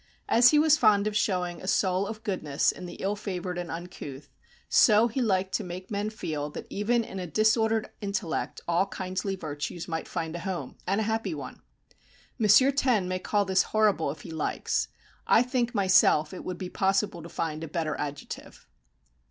As he was fond of showing a soul of goodness in the ill favoured and uncouth, so he liked to make men feel that even in a disordered intellect all kindly virtues might find a home, and a happy one. M. Taine may call this "horrible" if he likes. I think myself it would be possible to find a better adjective.